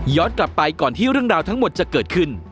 กลับไปก่อนที่เรื่องราวทั้งหมดจะเกิดขึ้น